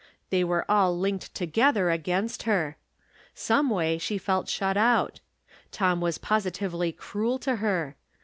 They were all linked together against her. Someway, she felt shut out. Tom was .positively cruel to her.